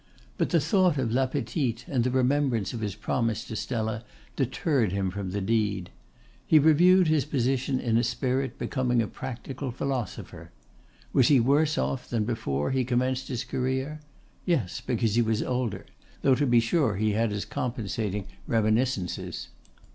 But the thought of La Petite and the remembrance of his promise to Stella deterred him from the deed. He reviewed his position in a spirit becoming a practical philosopher. Was he worse off than before he commenced his career? Yes, because he was older; though to be sure he had his compensating reminiscences.